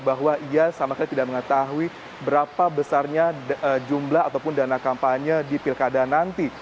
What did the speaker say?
bahwa ia sama sekali tidak mengetahui berapa besarnya jumlah ataupun dana kampanye di pilkada nanti